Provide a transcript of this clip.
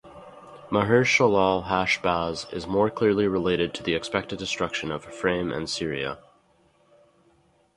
Maher-shalal-hash-baz is more clearly related to the expected destruction of Ephraim and Syria.